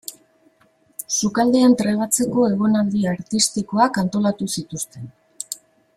Sukaldean trebatzeko egonaldi artistikoak antolatu zituzten.